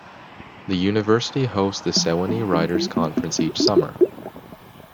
The university hosts the Sewanee Writers' Conference each summer.